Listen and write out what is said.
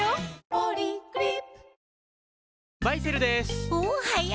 「ポリグリップ」